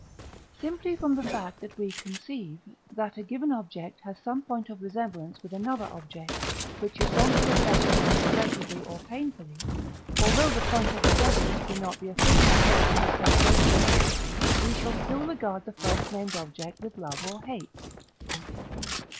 Simply from the fact that we conceive, that a given object has some point of resemblance with another object which is wont to affect the mind pleasurably or painfully, although the point of resemblance be not the efficient cause of the said emotions, we shall still regard the first named object with love or hate.